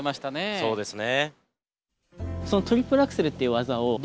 そうですね。